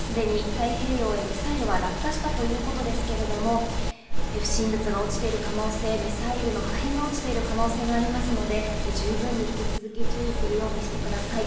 すでに太平洋へミサイルは落下したということですけれども、不審物が落ちている可能性、ミサイルの破片が落ちている可能性がありますので、十分に引き続き注意するようにしてください。